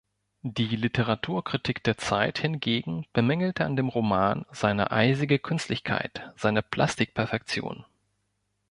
Die Literaturkritik der "Zeit" hingegen bemängelte an dem Roman „seine eisige Künstlichkeit, seine Plastik-Perfektion“.